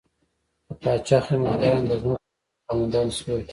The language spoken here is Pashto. د پاچا خدمتګاران د ځمکو ستر خاوندان شول.